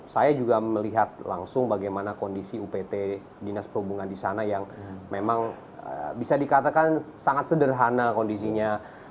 saya juga melihat langsung bagaimana kondisi upt dinas perhubungan di sana yang memang bisa dikatakan sangat sederhana kondisinya